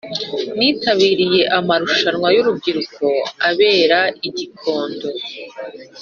Nitabiriye amarushanwa y’urubyiruko abera igikondo